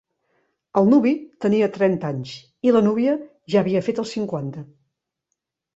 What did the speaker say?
El nuvi tenia trenta anys i la núvia ja havia fet els cinquanta.